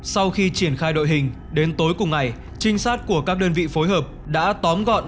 sau khi triển khai đội hình đến tối cùng ngày trinh sát của các đơn vị phối hợp đã tóm gọn